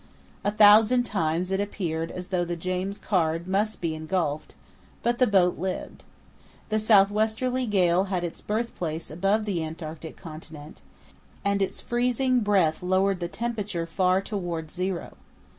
A thousand times it appeared as though the James Caird must be engulfed; but the boat lived. The south westerly gale had its birthplace above the Antarctic Continent, and its freezing breath lowered the temperature far towards zero.